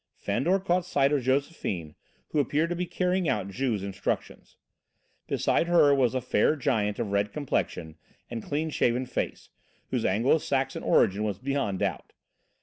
Fandor caught sight of Josephine, who appeared to be carrying out Juve's instructions. Beside her was a fair giant of red complexion and clean shaven face, whose Anglo Saxon origin was beyond doubt.